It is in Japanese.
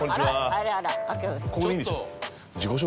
ここでいいんでしょ？